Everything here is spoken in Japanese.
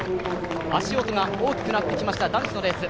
足音が大きくなってきました男子のレース。